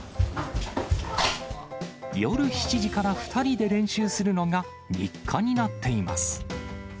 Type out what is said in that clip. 夜７時から２人で練習するのが、日課になっています。